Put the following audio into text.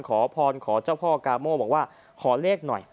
ขอพรขอเจ้าพ่อกาโม่บอกว่าขอเลขหน่อย